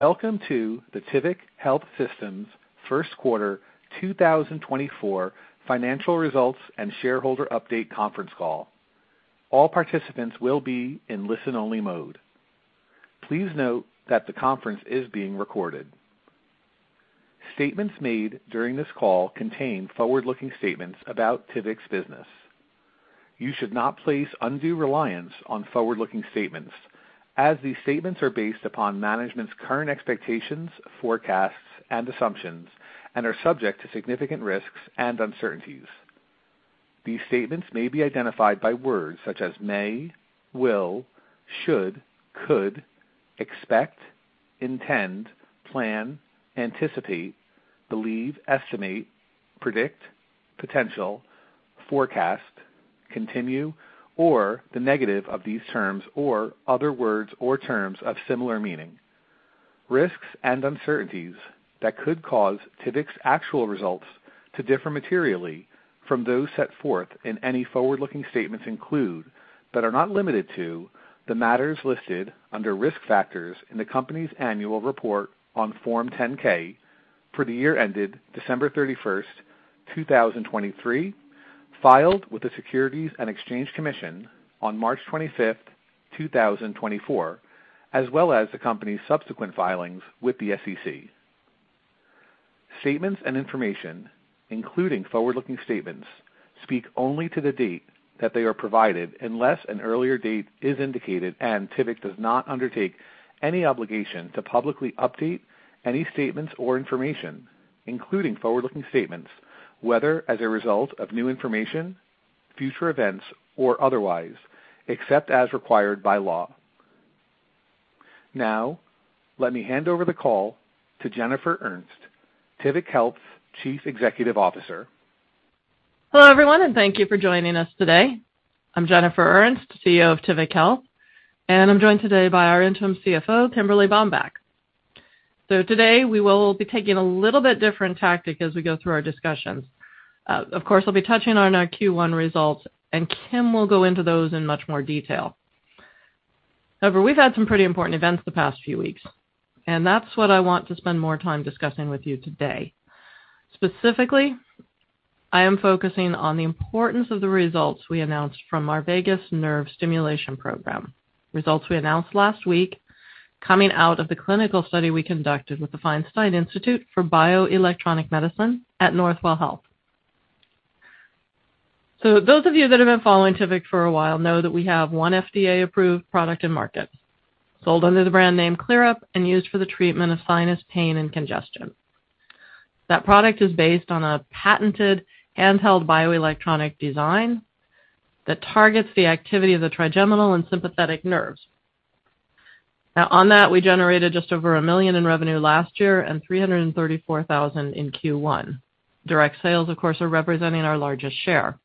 Welcome to the Tivic Health Systems first quarter 2024 financial results and shareholder update conference call. All participants will be in listen-only mode. Please note that the conference is being recorded. Statements made during this call contain forward-looking statements about Tivic's business. You should not place undue reliance on forward-looking statements as these statements are based upon management's current expectations, forecasts, and assumptions and are subject to significant risks and uncertainties. These statements may be identified by words such as may, will, should, could, expect, intend, plan, anticipate, believe, estimate, predict, potential, forecast, continue, or the negative of these terms, or other words or terms of similar meaning. Risks and uncertainties that could cause Tivic's actual results to differ materially from those set forth in any forward-looking statements include, but are not limited to, the matters listed under Risk Factors in the company's Annual Report on Form 10-K for the year ended December 31, 2023, filed with the Securities and Exchange Commission on March 25, 2024, as well as the company's subsequent filings with the SEC. Statements and information, including forward-looking statements, speak only to the date that they are provided, unless an earlier date is indicated, and Tivic does not undertake any obligation to publicly update any statements or information, including forward-looking statements, whether as a result of new information, future events, or otherwise, except as required by law. Now, let me hand over the call to Jennifer Ernst, Tivic Health's Chief Executive Officer. Hello, everyone, and thank you for joining us today. I'm Jennifer Ernst, CEO of Tivic Health, and I'm joined today by our interim CFO, Kimberly Bambach. So today we will be taking a little bit different tactic as we go through our discussions. Of course, we'll be touching on our Q1 results, and Kim will go into those in much more detail. However, we've had some pretty important events the past few weeks, and that's what I want to spend more time discussing with you today. Specifically, I am focusing on the importance of the results we announced from our vagus nerve stimulation program. Results we announced last week coming out of the clinical study we conducted with the Feinstein Institute for Bioelectronic Medicine at Northwell Health. So those of you that have been following Tivic for a while know that we have one FDA-approved product in market, sold under the brand name ClearUP and used for the treatment of sinus pain and congestion. That product is based on a patented handheld bioelectronic design that targets the activity of the trigeminal and sympathetic nerves. Now, on that, we generated just over $1 million in revenue last year and $334,000 in Q1. Direct sales, of course, are representing our largest share.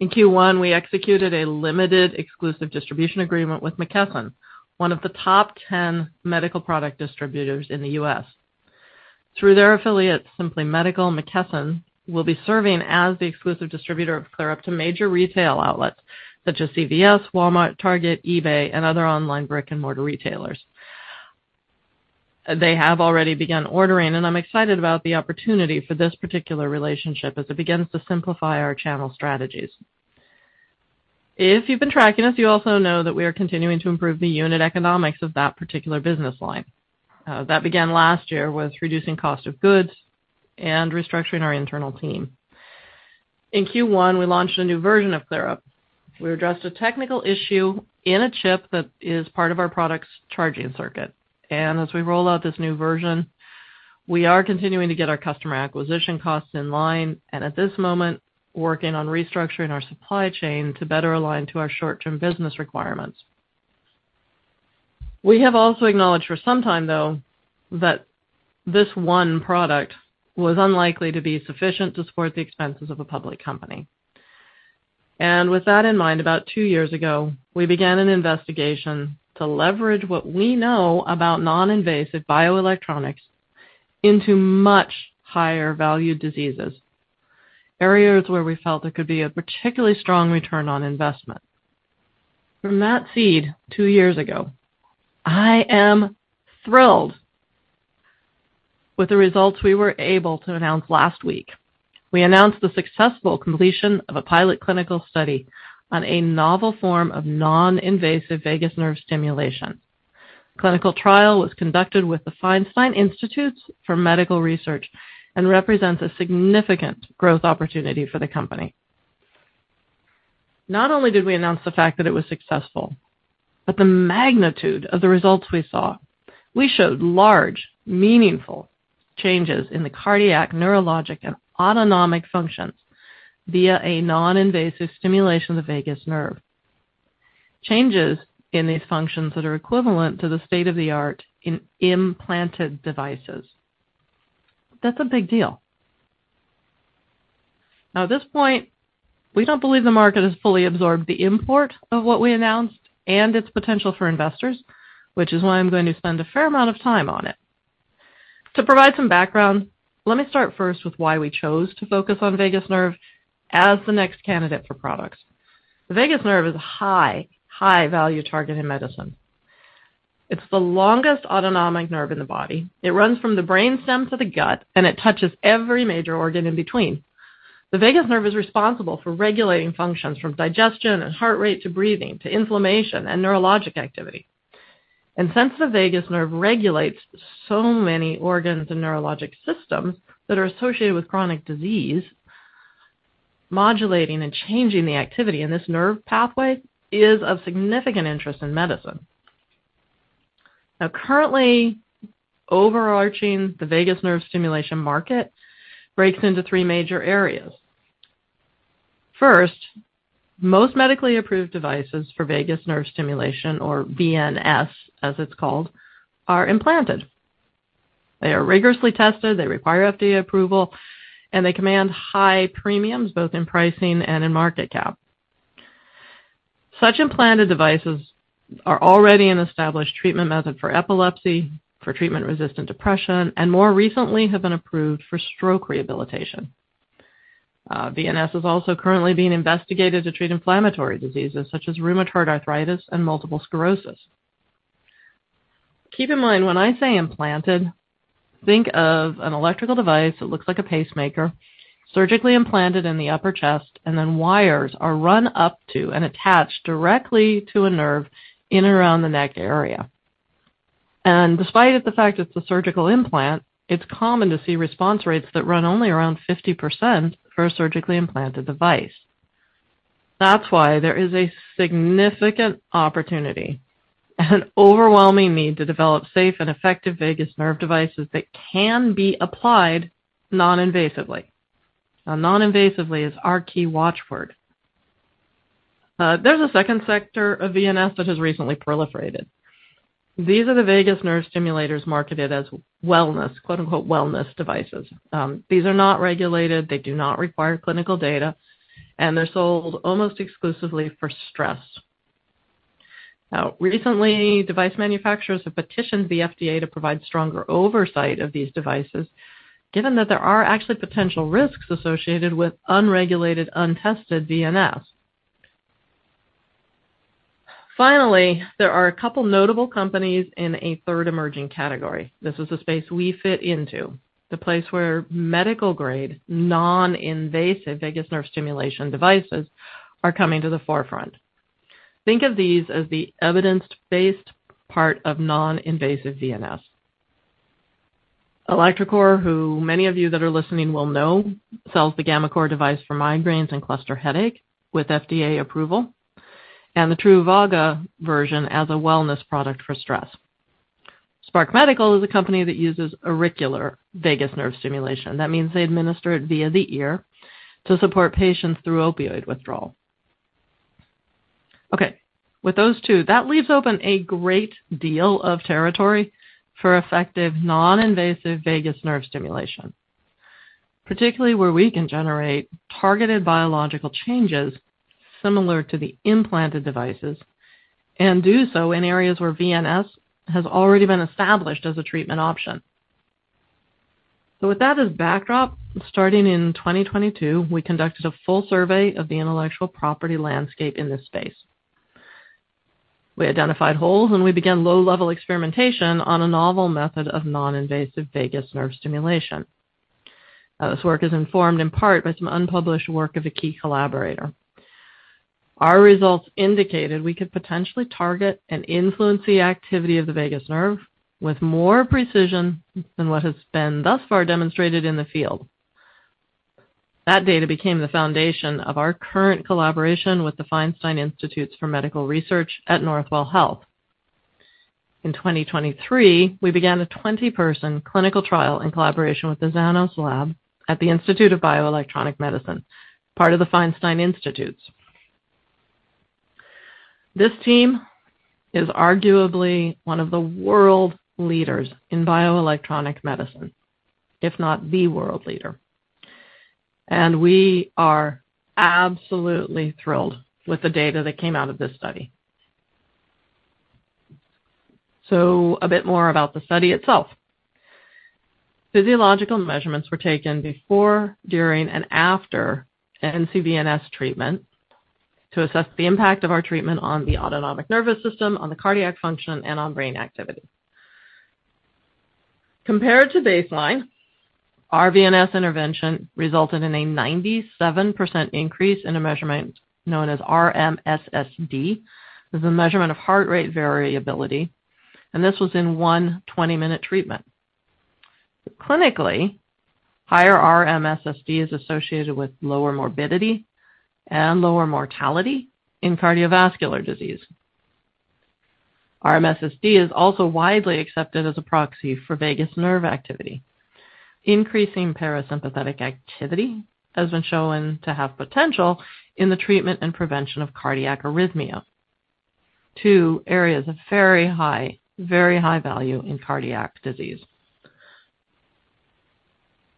In Q1, we executed a limited exclusive distribution agreement with McKesson, one of the top 10 medical product distributors in the U.S. Through their affiliates, Simply Medical, McKesson, will be serving as the exclusive distributor of ClearUP to major retail outlets such as CVS, Walmart, Target, eBay, and other online brick-and-mortar retailers. They have already begun ordering, and I'm excited about the opportunity for this particular relationship as it begins to simplify our channel strategies. If you've been tracking us, you also know that we are continuing to improve the unit economics of that particular business line. That began last year with reducing cost of goods and restructuring our internal team. In Q1, we launched a new version of ClearUP. We addressed a technical issue in a chip that is part of our product's charging circuit, and as we roll out this new version, we are continuing to get our customer acquisition costs in line and at this moment, working on restructuring our supply chain to better align to our short-term business requirements. We have also acknowledged for some time, though, that this one product was unlikely to be sufficient to support the expenses of a public company. With that in mind, about two years ago, we began an investigation to leverage what we know about non-invasive bioelectronics into much higher value diseases, areas where we felt it could be a particularly strong return on investment. From that seed two years ago, I am thrilled with the results we were able to announce last week. We announced the successful completion of a pilot clinical study on a novel form of non-invasive vagus nerve stimulation. Clinical trial was conducted with the Feinstein Institutes for Medical Research and represents a significant growth opportunity for the company. Not only did we announce the fact that it was successful, but the magnitude of the results we saw, we showed large, meaningful changes in the cardiac, neurologic, and autonomic functions via a non-invasive stimulation of the vagus nerve. Changes in these functions that are equivalent to the state-of-the-art in implanted devices. That's a big deal. Now, at this point, we don't believe the market has fully absorbed the import of what we announced and its potential for investors, which is why I'm going to spend a fair amount of time on it. To provide some background, let me start first with why we chose to focus on vagus nerve as the next candidate for products. The vagus nerve is a high, high-value target in medicine. It's the longest autonomic nerve in the body. It runs from the brain stem to the gut, and it touches every major organ in between. The vagus nerve is responsible for regulating functions from digestion and heart rate, to breathing, to inflammation, and neurologic activity. Since the vagus nerve regulates so many organs and neurologic systems that are associated with chronic disease, modulating and changing the activity in this nerve pathway is of significant interest in medicine. Now, currently, overarching the vagus nerve stimulation market breaks into three major areas. First, most medically approved devices for vagus nerve stimulation, or VNS, as it's called, are implanted. They are rigorously tested, they require FDA approval, and they command high premiums, both in pricing and in market cap. Such implanted devices are already an established treatment method for epilepsy, for treatment-resistant depression, and more recently, have been approved for stroke rehabilitation. VNS is also currently being investigated to treat inflammatory diseases such as rheumatoid arthritis and multiple sclerosis. Keep in mind, when I say implanted, think of an electrical device that looks like a pacemaker, surgically implanted in the upper chest, and then wires are run up to and attached directly to a nerve in and around the neck area. Despite the fact it's a surgical implant, it's common to see response rates that run only around 50% for a surgically implanted device. That's why there is a significant opportunity and an overwhelming need to develop safe and effective vagus nerve devices that can be applied non-invasively. Now, non-invasively is our key watchword. There's a second sector of VNS that has recently proliferated. These are the vagus nerve stimulators marketed as wellness, quote unquote, “wellness devices.” These are not regulated, they do not require clinical data, and they're sold almost exclusively for stress. Now, recently, device manufacturers have petitioned the FDA to provide stronger oversight of these devices, given that there are actually potential risks associated with unregulated, untested VNS. Finally, there are a couple notable companies in a third emerging category. This is the space we fit into, the place where medical-grade, non-invasive vagus nerve stimulation devices are coming to the forefront. Think of these as the evidence-based part of non-invasive VNS. ElectroCore, who many of you that are listening will know, sells the gammaCore device for migraines and cluster headache with FDA approval, and the Truvaga version as a wellness product for stress. Spark Medical is a company that uses auricular vagus nerve stimulation. That means they administer it via the ear to support patients through opioid withdrawal. Okay, with those two, that leaves open a great deal of territory for effective, non-invasive vagus nerve stimulation, particularly where we can generate targeted biological changes similar to the implanted devices, and do so in areas where VNS has already been established as a treatment option. So with that as backdrop, starting in 2022, we conducted a full survey of the intellectual property landscape in this space. We identified holes, and we began low-level experimentation on a novel method of non-invasive vagus nerve stimulation. This work is informed in part by some unpublished work of a key collaborator. Our results indicated we could potentially target and influence the activity of the vagus nerve with more precision than what has been thus far demonstrated in the field. That data became the foundation of our current collaboration with The Feinstein Institutes for Medical Research at Northwell Health. In 2023, we began a 20-person clinical trial in collaboration with the Zanos Lab at the Institute of Bioelectronic Medicine, part of the Feinstein Institutes. This team is arguably one of the world leaders in bioelectronic medicine, if not the world leader, and we are absolutely thrilled with the data that came out of this study. A bit more about the study itself. Physiological measurements were taken before, during, and after an ncVNS treatment to assess the impact of our treatment on the autonomic nervous system, on the cardiac function, and on brain activity. Compared to baseline, our VNS intervention resulted in a 97% increase in a measurement known as RMSSD. This is a measurement of heart rate variability, and this was in one 20-minute treatment. Clinically, higher RMSSD is associated with lower morbidity and lower mortality in cardiovascular disease. RMSSD is also widely accepted as a proxy for vagus nerve activity. Increasing parasympathetic activity has been shown to have potential in the treatment and prevention of cardiac arrhythmia, two areas of very high, very high value in cardiac disease.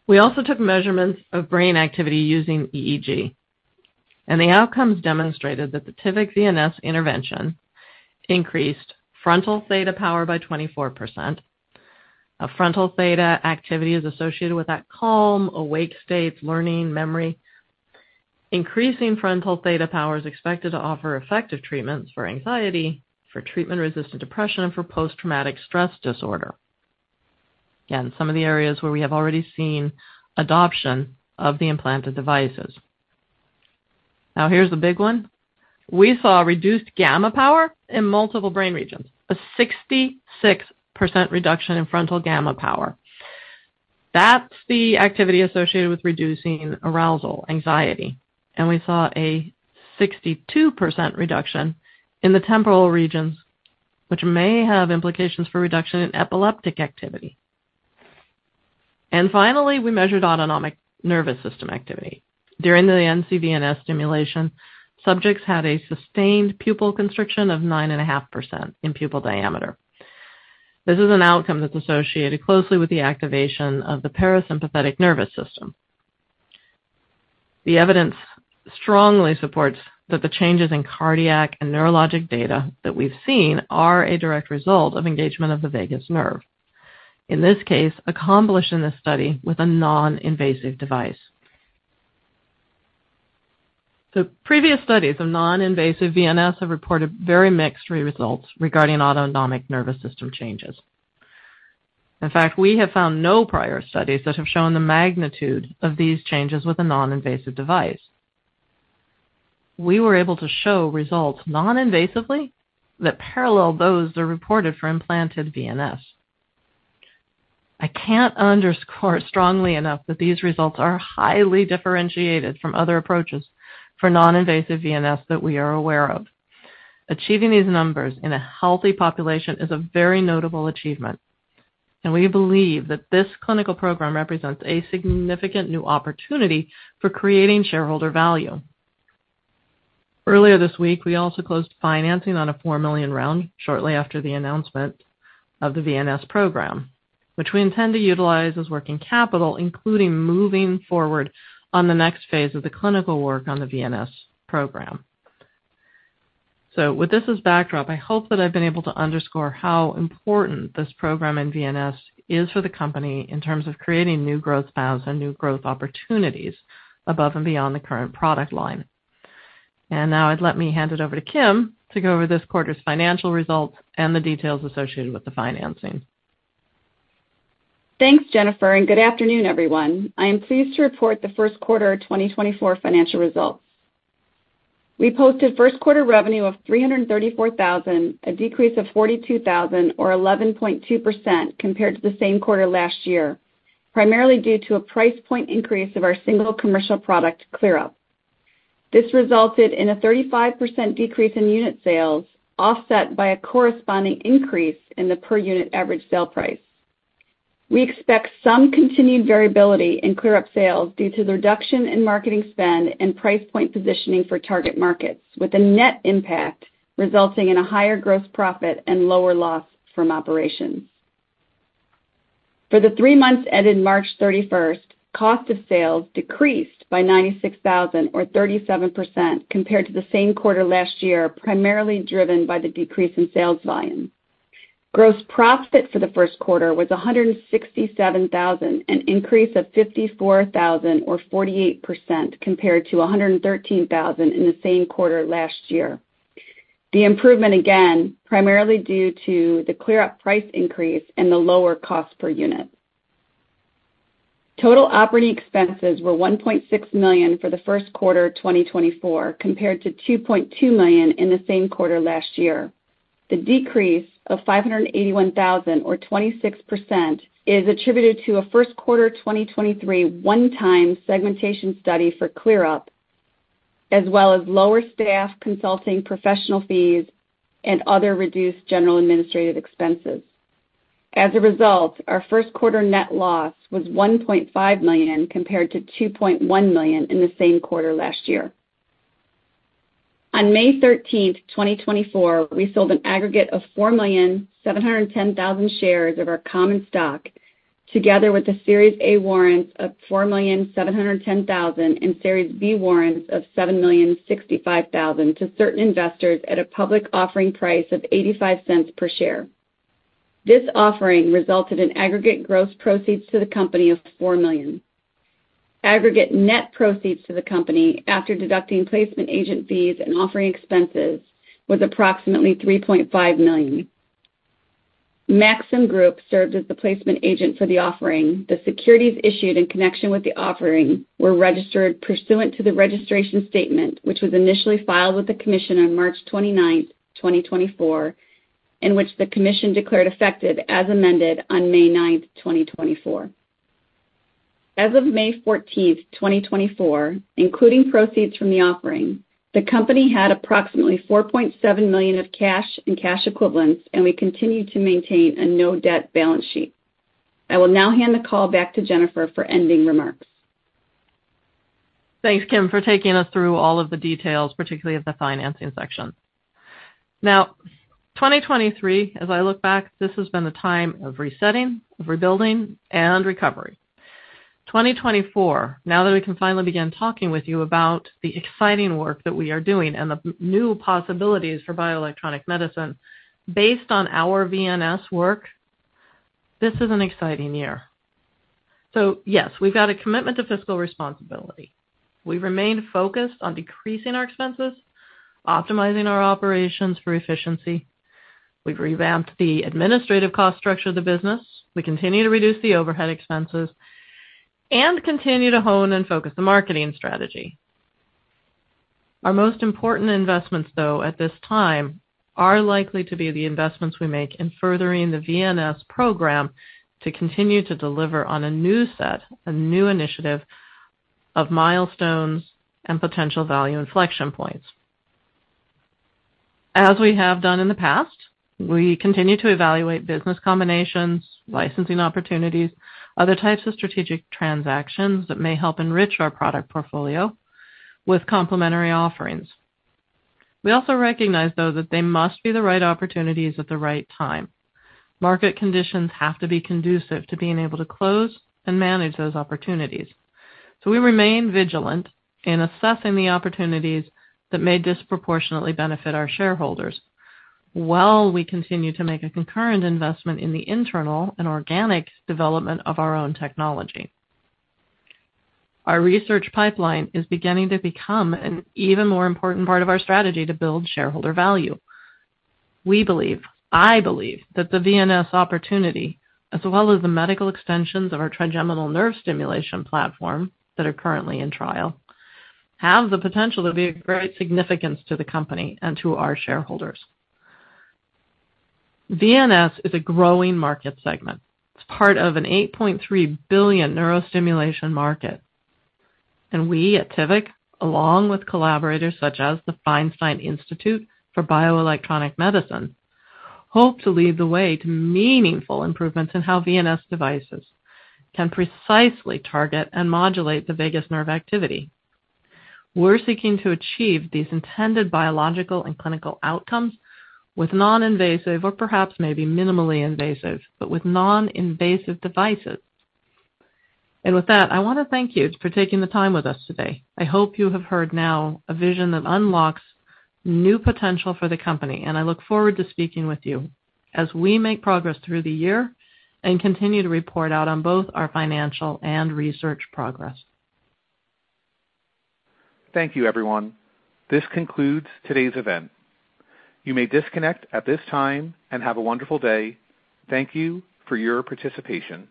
We also took measurements of brain activity using EEG, and the outcomes demonstrated that the Tivic VNS intervention increased frontal theta power by 24%. Frontal theta activity is associated with that calm, awake state, learning, memory. Increasing frontal theta power is expected to offer effective treatments for anxiety, for treatment-resistant depression, and for post-traumatic stress disorder. Again, some of the areas where we have already seen adoption of the implanted devices. Now, here's the big one. We saw reduced gamma power in multiple brain regions, a 66% reduction in frontal gamma power. That's the activity associated with reducing arousal, anxiety, and we saw a 62% reduction in the temporal regions, which may have implications for reduction in epileptic activity. Finally, we measured autonomic nervous system activity. During the ncVNS stimulation, subjects had a sustained pupil constriction of 9.5% in pupil diameter. This is an outcome that's associated closely with the activation of the parasympathetic nervous system. The evidence strongly supports that the changes in cardiac and neurologic data that we've seen are a direct result of engagement of the vagus nerve. In this case, accomplished in this study with a non-invasive device. The previous studies of non-invasive VNS have reported very mixed results regarding autonomic nervous system changes. In fact, we have found no prior studies that have shown the magnitude of these changes with a non-invasive device. We were able to show results non-invasively, that parallel those that are reported for implanted VNS. I can't underscore strongly enough that these results are highly differentiated from other approaches for non-invasive VNS that we are aware of. Achieving these numbers in a healthy population is a very notable achievement, and we believe that this clinical program represents a significant new opportunity for creating shareholder value. Earlier this week, we also closed financing on a $4 million round shortly after the announcement of the VNS program, which we intend to utilize as working capital, including moving forward on the next phase of the clinical work on the VNS program. So with this as backdrop, I hope that I've been able to underscore how important this program in VNS is for the company in terms of creating new growth paths and new growth opportunities above and beyond the current product line. Now let me hand it over to Kim to go over this quarter's financial results and the details associated with the financing. Thanks, Jennifer, and good afternoon, everyone. I am pleased to report the first quarter of 2024 financial results. We posted first quarter revenue of $334,000, a decrease of $42,000 or 11.2% compared to the same quarter last year, primarily due to a price point increase of our single commercial product, ClearUP. This resulted in a 35% decrease in unit sales, offset by a corresponding increase in the per unit average sale price. We expect some continued variability in ClearUP sales due to the reduction in marketing spend and price point positioning for target markets, with a net impact resulting in a higher gross profit and lower loss from operations. For the three months ended March 31, cost of sales decreased by $96,000 or 37% compared to the same quarter last year, primarily driven by the decrease in sales volume. Gross profit for the first quarter was $167,000, an increase of $54,000 or 48% compared to $113,000 in the same quarter last year. The improvement, again, primarily due to the ClearUP price increase and the lower cost per unit. Total operating expenses were $1.6 million for the first quarter of 2024, compared to $2.2 million in the same quarter last year. The decrease of $581,000 or 26% is attributed to a first quarter 2023 one-time segmentation study for ClearUP, as well as lower staff consulting professional fees and other reduced general administrative expenses. As a result, our first quarter net loss was $1.5 million, compared to $2.1 million in the same quarter last year. On May 13, 2024, we sold an aggregate o f 4,710,000 shares of our common stock, together with the Series A warrants of 4,710,000, and Series B warrants of 7,065,000 to certain investors at a public offering price of $0.85 per share. This offering resulted in aggregate gross proceeds to the company of $4 million. Aggregate net proceeds to the company, after deducting placement agent fees and offering expenses, was approximately $3.5 million. Maxim Group served as the placement agent for the offering. The securities issued in connection with the offering were registered pursuant to the registration statement, which was initially filed with the Commission on March 29, 2024, in which the Commission declared effective as amended on May 9, 2024. As of May 14, 2024, including proceeds from the offering, the company had approximately $4.7 million of cash and cash equivalents, and we continue to maintain a no debt balance sheet. I will now hand the call back to Jennifer for ending remarks. Thanks, Kim, for taking us through all of the details, particularly of the financing section. Now, 2023, as I look back, this has been a time of resetting, rebuilding, and recovery. 2024, now that we can finally begin talking with you about the exciting work that we are doing and the new possibilities for bioelectronic medicine. Based on our VNS work, this is an exciting year. So yes, we've got a commitment to fiscal responsibility. We remain focused on decreasing our expenses, optimizing our operations for efficiency. We've revamped the administrative cost structure of the business. We continue to reduce the overhead expenses and continue to hone and focus the marketing strategy. Our most important investments, though, at this time, are likely to be the investments we make in furthering the VNS program to continue to deliver on a new set, a new initiative of milestones and potential value inflection points. As we have done in the past, we continue to evaluate business combinations, licensing opportunities, other types of strategic transactions that may help enrich our product portfolio with complementary offerings. We also recognize, though, that they must be the right opportunities at the right time. Market conditions have to be conducive to being able to close and manage those opportunities. So we remain vigilant in assessing the opportunities that may disproportionately benefit our shareholders, while we continue to make a concurrent investment in the internal and organic development of our own technology. Our research pipeline is beginning to become an even more important part of our strategy to build shareholder value. We believe, I believe, that the VNS opportunity, as well as the medical extensions of our trigeminal nerve stimulation platform that are currently in trial, have the potential to be of great significance to the company and to our shareholders. VNS is a growing market segment. It's part of an $8.3 billion neurostimulation market, and we at Tivic, along with collaborators such as the Feinstein Institute for Bioelectronic Medicine, hope to lead the way to meaningful improvements in how VNS devices can precisely target and modulate the vagus nerve activity. We're seeking to achieve these intended biological and clinical outcomes with non-invasive, or perhaps maybe minimally invasive, but with non-invasive devices. With that, I want to thank you for taking the time with us today. I hope you have heard now a vision that unlocks new potential for the company, and I look forward to speaking with you as we make progress through the year and continue to report out on both our financial and research progress. Thank you, everyone. This concludes today's event. You may disconnect at this time and have a wonderful day. Thank you for your participation.